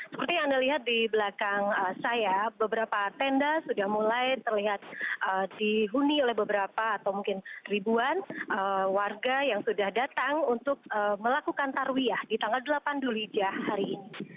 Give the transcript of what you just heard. seperti yang anda lihat di belakang saya beberapa tenda sudah mulai terlihat dihuni oleh beberapa atau mungkin ribuan warga yang sudah datang untuk melakukan tarwiyah di tanggal delapan julijah hari ini